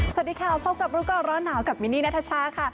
สวัสดีค่ะพบกับรู้ก่อนร้อนหนาวกับมินนี่นัทชาค่ะ